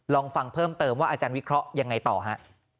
ลองฟังเพิ่มเติมว่าอาจารย์วิเคราะห์ยังไงต่อฮะ